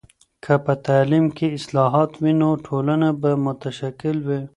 که په تعلیم کې اصلاحات وي، نو ټولنه به متشکل وي.